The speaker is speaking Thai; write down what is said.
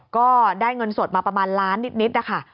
ก็ได้เงินสดมาประมาณล้านนิดนะคะ